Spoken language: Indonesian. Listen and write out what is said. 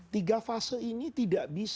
tiga fase ini tidak bisa